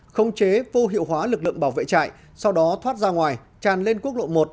khống chế vô hiệu hóa lực lượng bảo vệ trại sau đó thoát ra ngoài tràn lên quốc lộ một